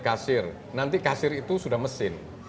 kasir nanti kasir itu sudah mesin